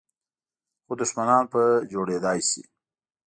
خو دښمنان په جوړېدای شي .